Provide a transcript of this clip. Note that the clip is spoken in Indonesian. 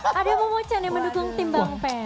sama momochan yang mendukung tim bang pain